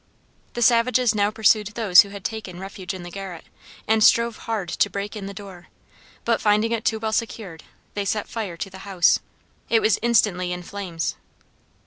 The savages now pursued those who had taken, refuge in the garret, and strove hard to break in the door, but finding it too well secured, they set fire to the house. It was instantly in flames.